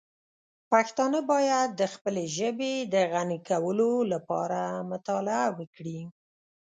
پښتانه باید د خپلې ژبې د غني کولو لپاره مطالعه وکړي.